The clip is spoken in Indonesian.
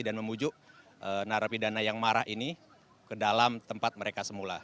dan memujuk narapidana yang marah ini ke dalam tempat mereka semula